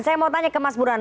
saya mau tanya ke mas burhan